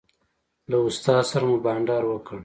له استاد سره مو بانډار وکړ.